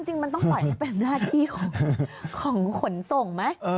จริงมันต้องฝ่ายแบบหน้าที่ของขนส่งมั้ย